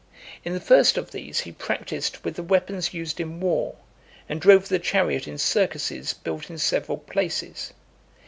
In the first of these, he practised with the weapons used in war; and drove the chariot in circuses built in several places.